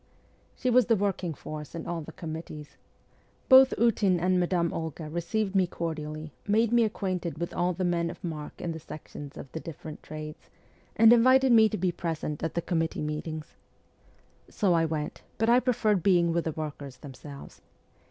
She was the working force in all the committees. Both Ootin and Madame Olga received me cordially, made me acquainted with all the men of mark in the sections of the different trades, and invited me to be present at the committee meetings. So I went, but I preferred being with the workers themselves.